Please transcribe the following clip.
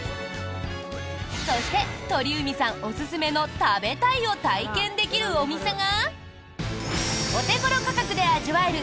そして、鳥海さんおすすめの「食べたい」を体験できるお店が。